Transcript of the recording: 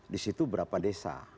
di situ berapa desa